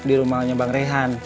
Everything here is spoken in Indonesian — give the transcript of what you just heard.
di rumahnya bang rehan